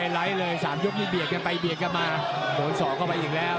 ใช่เป็นยกไฮไลท์เลย๓ยกนี่เบียกกันไปเบียกกันมาโดน๒ก็ไปอีกแล้ว